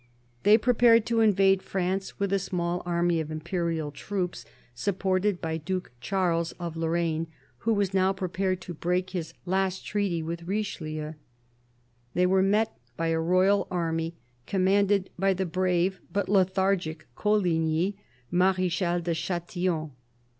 They prepared to invade France with a small army of imperial troops, supported by Duke Charles of Lorraine, who was now prepared to break his last treaty with Richelieu. They were met by a royal army commanded by the brave but lethargic Coligny, Marechal de Chatillon.